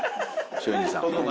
松陰寺さん。